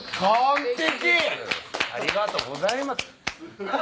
ありがとうございます。